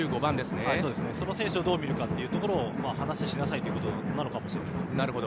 その選手をどう見るか話をしなさいということなのかもしれません。